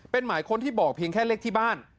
เป็นหมายค้นที่บอกเพียงแค่เลขที่บ้าน